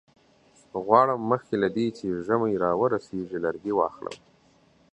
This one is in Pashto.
غواړم مخکې له دې چې ژمی را ورسیږي لرګي واخلم.